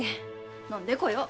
飲んでこよう。